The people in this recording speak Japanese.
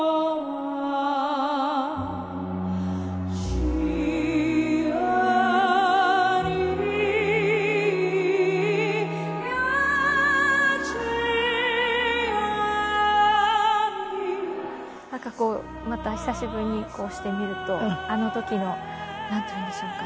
「千代に八千代に」なんかこうまた久しぶりにこうして見るとあの時のなんていうんでしょうか。